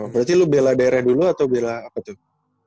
berarti lu bela daerah dulu atau bela apa tuh